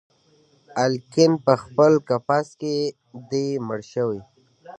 الیکین پخپل قفس کي دی مړ شوی